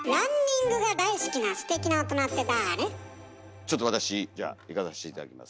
ちょっと私じゃあいかさして頂きます。